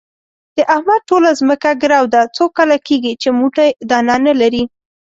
د احمد ټوله ځمکه ګرو ده، څو کاله کېږي چې موټی دانه نه لري.